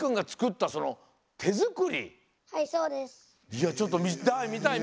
いやちょっと見たい見たい！